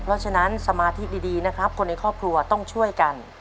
เพราะฉะนั้นสมาธิดีนะครับคนในครอบครัวต้องช่วยกัน